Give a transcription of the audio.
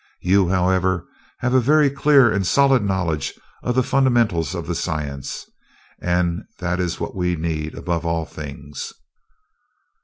You, however, have a very clear and solid knowledge of the fundamentals of the science, and that is what we need, above all things."